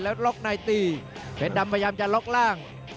แล้วล็อกในตีเพชรดำพยายามจะล็อกล่าง